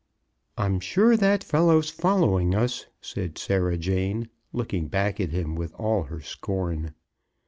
"I'm sure that fellow's following us," said Sarah Jane, looking back at him with all her scorn.